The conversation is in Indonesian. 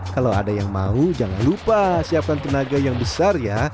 kalau ada yang mau jangan lupa siapkan tenaga yang besar ya